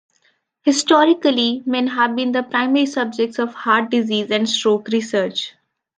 Historically men have been the primary subjects of heart disease and stroke research.